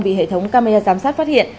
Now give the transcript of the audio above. vì hệ thống camera giám sát phát hiện